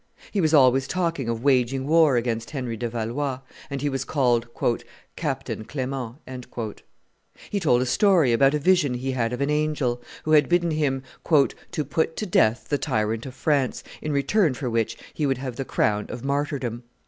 He was always talking of waging war against Henry de Valois, and he was called "Captain Clement." He told a story about a vision he had of an angel, who had bidden him "to put to death the tyrant of France, in return for which he would have the crown of martyrdom."